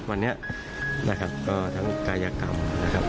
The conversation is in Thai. วันนี้นะครับก็ทั้งกายกรรมนะครับ